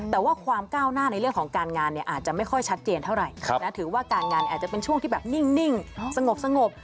แต่ว่าความก้าวหน้าในเรื่องของการงานเนี่ยอาจจะไม่ค่อยชัดเจนเท่าไหร่ถือว่าการงานอาจจะเป็นช่วงที่แบบนิ่งสงบ